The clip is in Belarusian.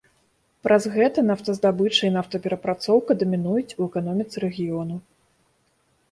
Праз гэта нафтаздабыча і нафтаперапрацоўка дамінуюць у эканоміцы рэгіёну.